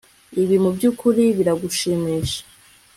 Ibi mubyukuri biragushimisha